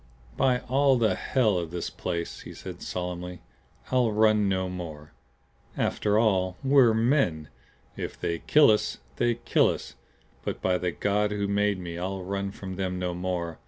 "By all the HELL of this place," he said, solemnly, "I'll run no more. After all we're men. If they kill us, they kill us. But by the God who made me I'll run from them no more.